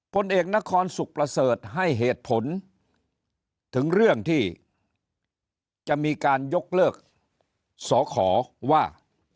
ผลเอกนครสุขประเสริฐให้เหตุผลถึงเรื่องที่จะมีการยกเลิกสอขอว่า